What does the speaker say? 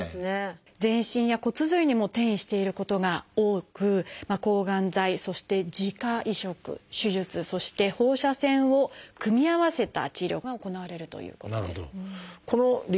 全身や骨髄にも転移していることが多く抗がん剤そして自家移植手術そして放射線を組み合わせた治療が行われるということです。